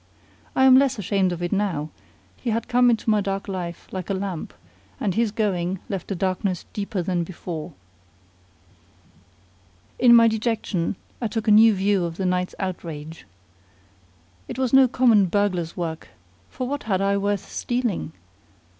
I am less ashamed of it now: he had come into my dark life like a lamp, and his going left a darkness deeper than before. In my dejection I took a new view of the night's outrage. It was no common burglar's work, for what had I worth stealing?